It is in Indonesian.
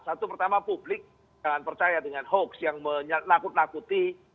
satu pertama publik jangan percaya dengan hoax yang menakut nakuti